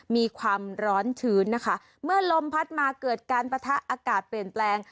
มีความร้อนชื้นนะคะเมื่อลมพัดมาเกิดการปะทะอากาศเปลี่ยนแปลง